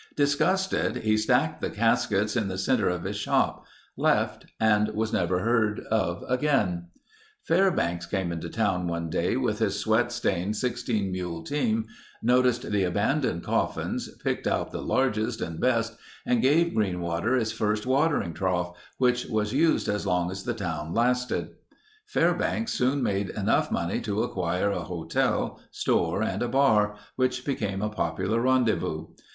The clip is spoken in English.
Disgusted he stacked the caskets in the center of his shop; left and was never again heard of. Fairbanks came into town one day with his sweat stained 16 mule team, noticed the abandoned coffins, picked out the largest and best and gave Greenwater its first watering trough, which was used as long as the town lasted. Fairbanks soon made enough money to acquire a hotel, store, and a bar, which became a popular rendezvous.